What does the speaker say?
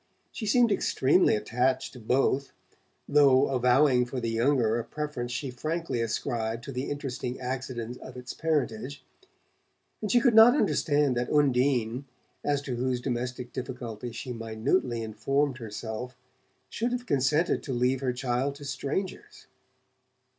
She seemed extremely attached to both though avowing for the younger a preference she frankly ascribed to the interesting accident of its parentage and she could not understand that Undine, as to whose domestic difficulties she minutely informed herself, should have consented to leave her child to strangers.